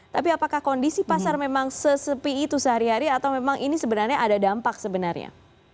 tapi apakah kondisi pasar memang sesepi itu sehari hari atau memang ini sebenarnya ada dampak sebenarnya